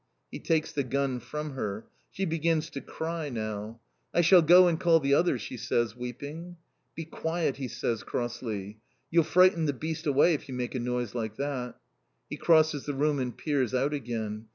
_" He takes the gun from her! She begins to cry now. "I shall go and call the others," she says, weeping. "Be quiet," he says crossly. "You'll frighten the beast away if you make a noise like that!" He crosses the room and peers out again!